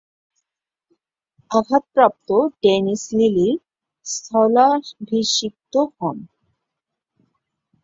আঘাতপ্রাপ্ত ডেনিস লিলি’র স্থলাভিষিক্ত হন।